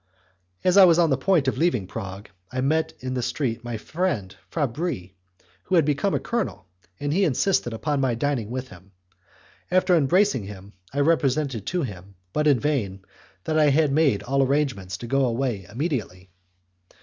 As I was on the point of leaving Prague, I met in the street my friend Fabris, who had become a colonel, and he insisted upon my dining with him. After embracing him, I represented to him, but in vain, that I had made all my arrangements to go away immediately.